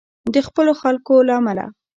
د خپلو خلکو له امله.